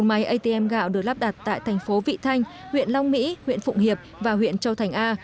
máy atm gạo được lắp đặt tại thành phố vị thanh huyện long mỹ huyện phụng hiệp và huyện châu thành a